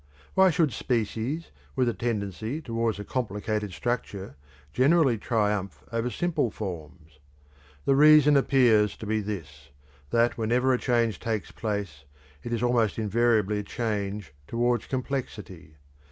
Why should species, with a tendency towards a complicated structure, generally triumph over simple forms? The reason appears to be this, that whenever a change takes place, it is almost invariably a change towards complexity.